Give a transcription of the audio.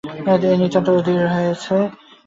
এ নিতান্ত অধীর হইয়াছে।